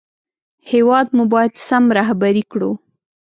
هېواد مو باید سم رهبري کړو